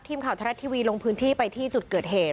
ทรัฐทีวีลงพื้นที่ไปที่จุดเกิดเหตุ